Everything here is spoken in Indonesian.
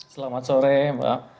selamat sore mbak